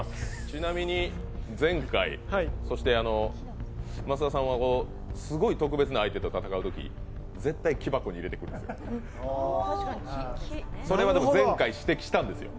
ちなみに前回、益田さんはすごい特別な相手と戦う場合絶対、木箱に入れてくるんですよ。